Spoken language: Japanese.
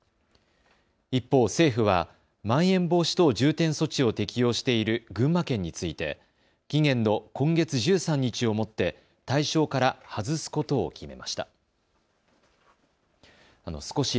一方、政府はまん延防止等重点措置を適用している群馬県について期限の今月１３日をもって対象から外すことを決めました。